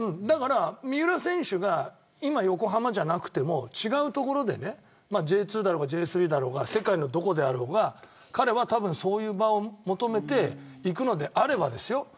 三浦選手が今、横浜じゃなくても違うところでＪ２だろうがＪ３だろうが世界のどこであろうが彼がそういう場を求めて行くのであればですよ